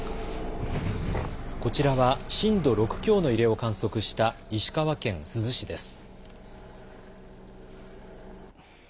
こちらは震度６強の揺れを観測した石川県珠洲市です。